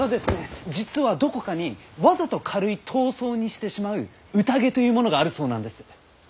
実はどこかにわざと軽い痘瘡にしてしまう宴というものがあるそうなんです！